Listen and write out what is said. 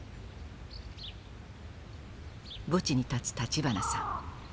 墓地に立つ立花さん。